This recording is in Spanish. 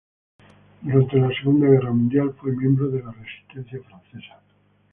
Durante la Segunda Guerra Mundial fue miembro de la Resistencia Francesa.